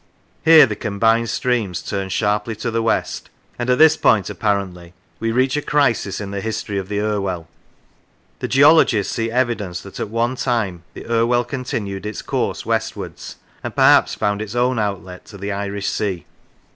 Here the combined streams turn sharply to the west, and at this point apparently we reach a crisis in the history of the Irwell. The geologists see evidence that at one time the Irwell continued its course westwards, and perhaps found its own outlet to the Irish Sea.